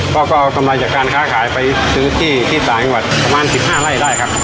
พ่อก็กำไรจากการค้าขายไปซื้อขี้ขี้ต่างจังหวัดประมาณสิบห้าไล่ได้ครับ